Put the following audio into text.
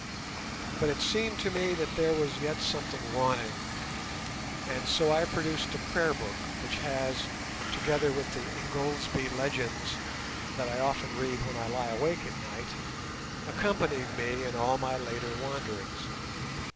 But it seemed to me that there was yet something wanting, and so I produced a Prayer Book, which has, together with the "Ingoldsby Legends", that I often read when I lie awake at night, accompanied me in all my later wanderings.